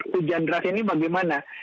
hujan deras ini bagaimana